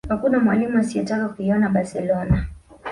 hakuna mwalimu asiyetaka kuinoa barcelona